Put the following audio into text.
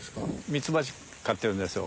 ミツバチ飼ってるんですよ